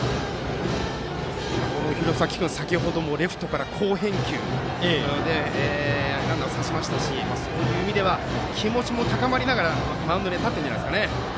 廣崎君、先程もレフトからの好返球でランナーを刺しましたしそういう意味では気持ちも高まりながらマウンドには立っているんじゃないでしょうか。